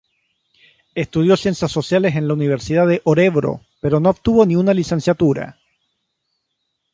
Estudió Ciencias Sociales en la Universidad de Örebro pero no obtuvo ni una licenciatura.